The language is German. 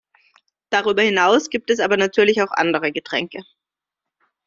Darüber hinaus gibt es aber natürlich auch andere Getränke.